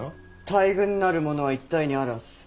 大軍なるものは一体にあらず。